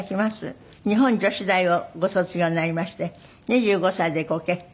日本女子大をご卒業になりまして２５歳でご結婚。